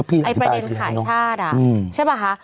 ไอ้ประเด็นขายชาติใช่ป่ะคะ